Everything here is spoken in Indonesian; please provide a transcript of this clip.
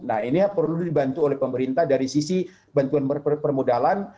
nah ini perlu dibantu oleh pemerintah dari sisi bantuan permodalan